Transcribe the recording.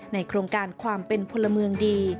โครงการความเป็นพลเมืองดี